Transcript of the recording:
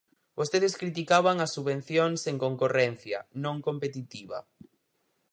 Vostedes criticaban as subvencións en concorrencia non competitiva.